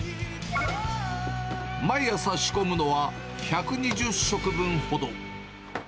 毎朝仕込むのは１２０食分ほど。